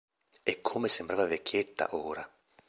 E come sembrava vecchietta, ora!